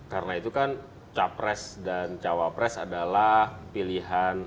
karena itu kan capres dan cawapres adalah pilihan